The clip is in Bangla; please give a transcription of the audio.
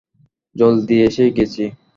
জলদি এসে গেছি।